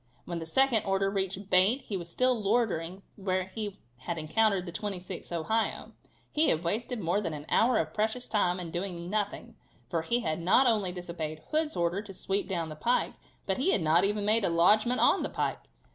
When the second order reached Bate he was still loitering where he had encountered the 26th Ohio. He had wasted more than an hour of precious time in doing nothing, for he had not only disobeyed Hood's order to sweep down the pike, but he had not even made a lodgement on the pike.